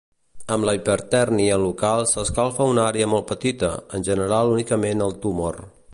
Amb la hipertèrmia local s'escalfa una àrea molt petita, en general únicament el tumor.